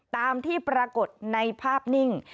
ตามที่ปรากฏในภาพนิ่ง